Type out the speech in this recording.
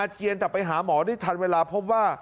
เจียนแต่ไปหาหมอได้ทันเวลาพบว่า